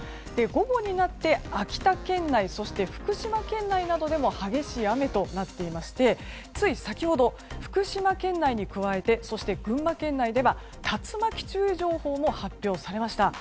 午後になって秋田県内そして福島県内などでも激しい雨となっていましてつい先ほど、福島県内に加えて群馬県内では竜巻注意情報も発表されました。